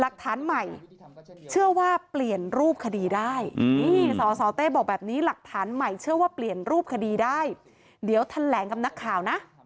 เดี๋ยวแทนแหลงกับหนักข่าวนะ